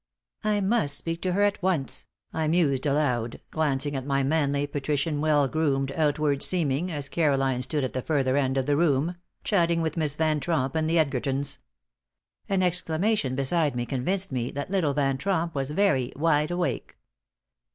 "I must speak to her at once," I mused aloud, glancing at my manly, patrician, well groomed outward seeming as Caroline stood at the further end of the room, chatting with Miss Van Tromp and the Edgertons. An exclamation beside me convinced me that little Van Tromp was very wide awake.